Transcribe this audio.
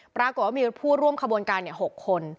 ปรากฏว่ามีผู้ร่วมขบวนการ๖คน